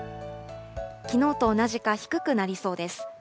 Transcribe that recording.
きのうと同じか低くなりそうです。